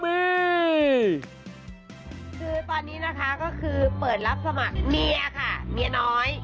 คือตอนนี้นะคะก็คือเปิดรับสมัครเมียค่ะเมียน้อย